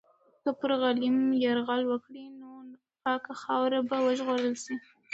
که پر غلیم یرغل وکړي، نو پاکه خاوره به وژغورل سي.